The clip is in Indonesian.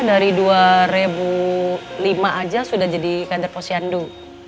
dari dua ribu lima saja sudah jadi kandar pos cihandu